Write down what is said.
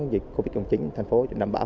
dịch covid một mươi chín thành phố